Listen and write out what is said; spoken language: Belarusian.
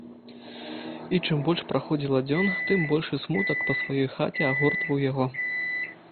І чым больш праходзіла дзён, тым большы смутак па сваёй хаце агортваў яго.